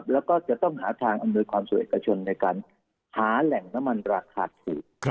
แล้วก็จะต้องหาทางอำนวยความส่วนเอกชนในการหาแหล่งน้ำมันราคาถูก